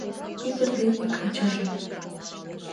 Ӱдыр дене качыжым